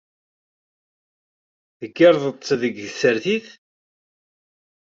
Teggareḍ-tt deg tsertit?